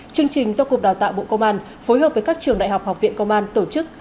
chương trình do cục đào tạo bộ công an phối hợp với các trường đại học học viện công an tổ chức